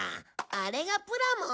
あれがプラモ？